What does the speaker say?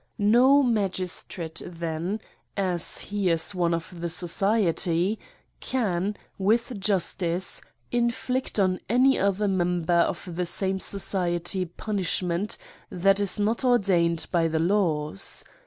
No magistrate then, (as he is one of the society,) can, with justice, inflict on any other member of the same society punishment that is not ordained by the laws.